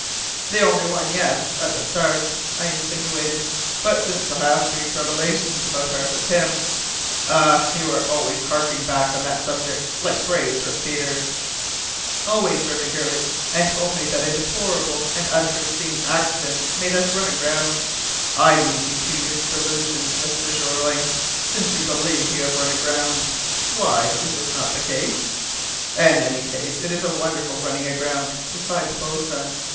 "The only one yes at the start," I insinuated. "But since the half breed's revelations about Arthur Pym " "Ah! You are always harking back on that subject, like brave Dirk Peters." "Always, Hurliguerly; and only that a deplorable and unforeseen accident made us run aground " "I leave you to your delusions, Mr. Jeorling, since you believe you have run aground " "Why? Is not this the case?" "In any case it is a wonderful running aground," replied the boatswain.